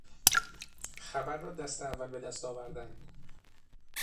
خبر را دست اول بدست آوردن